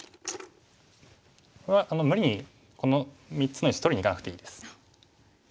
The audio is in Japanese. これは無理にこの３つの石取りにいかなくていいです。